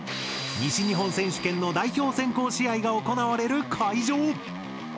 西日本選手権の代表選考試合が行われる会場。